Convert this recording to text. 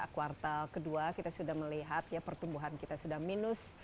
kuartal kedua kita sudah melihat pertumbuhan kita sudah minus